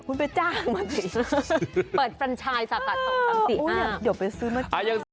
คุณไปจ้างมาสิเปิดฟันชายสากัดของทางสี่ห้า